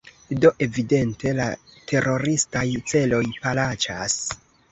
Do evidente la teroristaj celoj plaĉas.